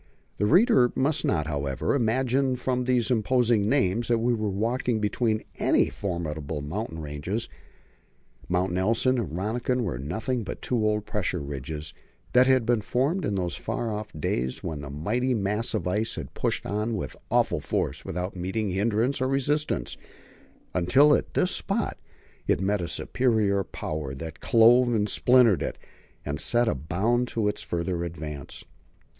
The reader must not, however, imagine from these imposing names that we were walking between any formidable mountain ranges. Mounts Nelson and Rönniken were nothing but two old pressure ridges that had been formed in those far off days when the mighty mass of ice had pushed on with awful force without meeting hindrance or resistance, until at this spot it met a superior power that clove and splintered it, and set a bound to its further advance.